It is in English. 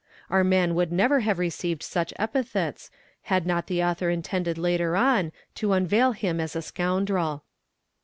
'' Our man would never have received : 'such epithets, had not the author intended later on to unveil him as a — scoundrel.